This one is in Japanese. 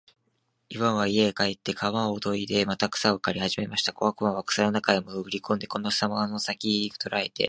イワンは家へ帰って鎌をといでまた草を刈りはじめました。小悪魔は草の中へもぐり込んで、その鎌の先きを捉えて、